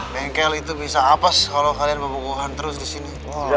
nengkel itu bisa apa kalau kalian berpukuhan terus disini